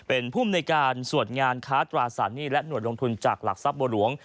เป็นผู้อำนวยการสวดงานคารตราศัตริย์หนีและหนวดลงทุนจากหลักทรัพย์บัวหลวง